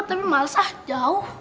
tapi malesah jauh